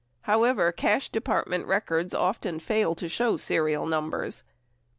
However, Cash Department records often fail to show serial numbers.